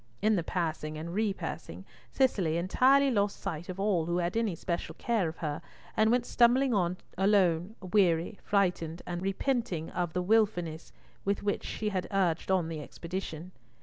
In the passing and repassing, Cicely entirely lost sight of all who had any special care of her, and went stumbling on alone, weary, frightened, and repenting of the wilfulness with which she had urged on the expedition.